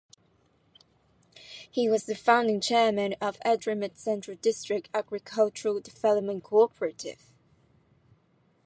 He was the founding chairman of Edremit Central District Agricultural Development Cooperative.